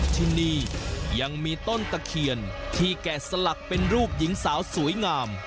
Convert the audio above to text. ที่นี่ยังมีต้นตะเคียนที่แกะสลักเป็นรูปหญิงสาวสวยงาม